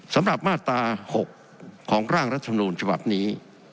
สำหรับมาตรา๖ของร่างรัฐมนูลฉบับนี้